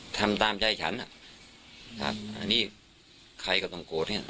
ทำตามใจฉันฮะนี่ใครก็ต้องโกฏเนี่ย